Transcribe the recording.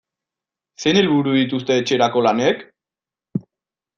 Zein helburu dituzte etxerako lanek?